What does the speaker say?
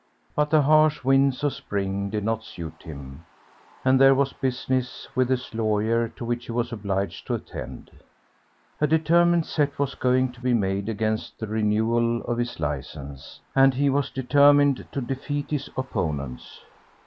But the harsh winds of spring did not suit him, and there was business with his lawyer to which he was obliged to attend. A determined set was going to be made against the renewal of his licence, and he was determined to defeat his opponents.